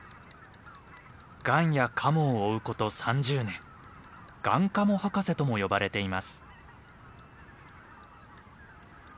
ガンやカモを追うこと３０年「ガンカモ博士」とも呼ばれています。